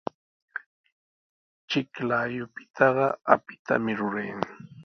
Chiklayupitaqa apitami rurayan.